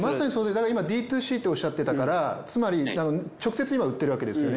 だから今ＢｔｏＣっておっしゃってたからつまり直接今売っているわけですよね。